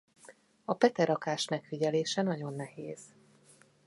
A peterakás megfigyelése nagyon nehéz.